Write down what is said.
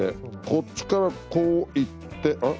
こっちからこう行ってうん？